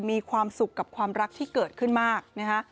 มีความสุขกับความรักที่เกิดขึ้นมากนะฮะ